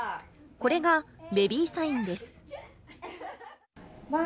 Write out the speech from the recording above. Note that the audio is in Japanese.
これがベビーサインです。